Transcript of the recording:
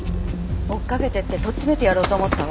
追いかけていってとっちめてやろうと思ったわ。